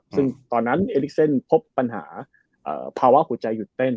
ซึ่งตอนนั้นเอลิกเซนพบปัญหาภาวะหัวใจหยุดเต้น